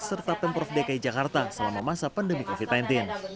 serta pemprov dki jakarta selama masa pandemi covid sembilan belas